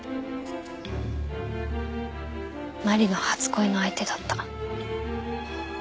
麻里の初恋の相手だった。